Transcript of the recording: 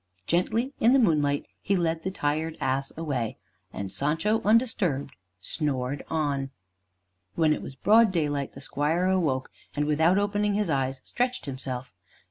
Gently, in the moonlight, he led the tired ass away, and Sancho, undisturbed, snored on. When it was broad daylight, the squire awoke, and without opening his eyes, stretched himself.